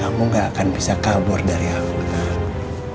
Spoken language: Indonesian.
kamu gak akan bisa kabur dari aku tante